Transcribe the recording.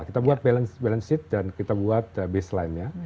kita buat balance dan kita buat baseline nya